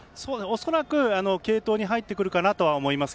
恐らく継投に入ってくると思います。